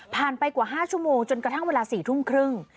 ไปกว่า๕ชั่วโมงจนกระทั่งเวลา๔ทุ่มครึ่ง